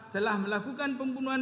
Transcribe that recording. telah melakukan pembunuhan